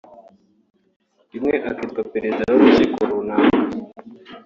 rimwe akiyita Perezida w’urukiko runaka